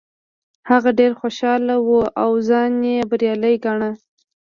هغه ډیر خوشحاله و او ځان یې بریالی ګاڼه.